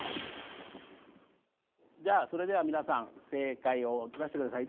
じゃあそれではみなさん正解を出してください。